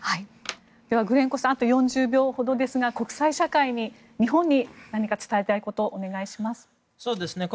ではグレンコさんあと４０秒ほどですが国際社会に、日本に何か伝えたいことお願いします。